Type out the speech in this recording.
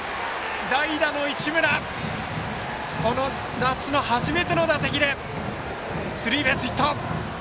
代打の市村この夏の初めての打席でスリーベースヒット！